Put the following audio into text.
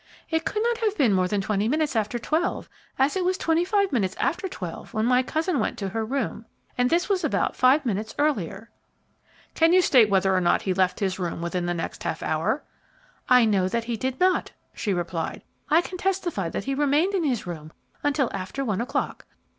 "It could not have been more than twenty minutes after twelve, as it was twenty five minutes after twelve when my cousin went to her room, and this was about five minutes earlier." "Can you state whether or not he left his room within the next half hour?" "I know that he did not," she replied. "I can testify that he remained in his room until after one o'clock.